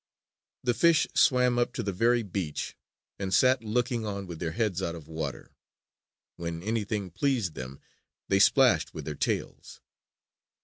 The fish swam up to the very beach and sat looking on with their heads out of water. When anything pleased them they splashed with their tails.